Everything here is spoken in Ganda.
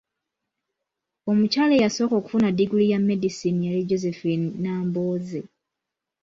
Omukyaala eyasooka okufuna diguli ya medicine yali Josephine Nambooze.